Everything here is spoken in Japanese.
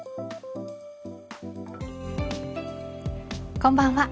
こんばんは。